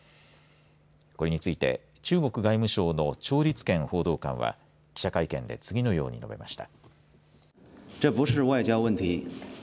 これについて中国外務省の趙立堅報道官は記者会見で次のように述べました。